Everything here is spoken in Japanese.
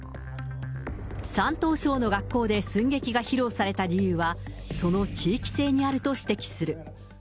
山東省の学校で寸劇が披露された理由は、その地域性にあると指摘する。